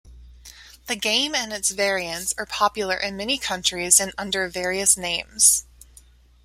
The game and its variants are popular in many countries and under various names.